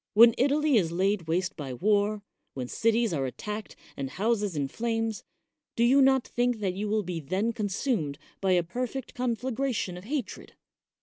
When Italy is laid waste by war, when cities are attacked and houses in flames, do you not think that you will be then consumed by a perfect conflagration of hatred?"